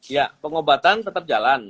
ya pengobatan tetap jalan